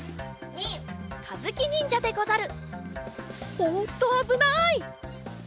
おっとあぶない。